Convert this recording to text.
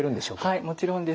はいもちろんです。